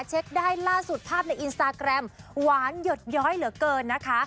เช็คได้ล่าสุดภาพในอินสตาแกรมหวานหยดย้อยเหลือเกินนะคะ